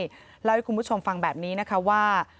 ขอให้คุณผู้ชมฟังแบบนี้ว่า